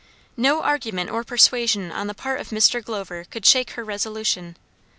No argument or persuasion on the part of Mr. Glover could shake her resolution.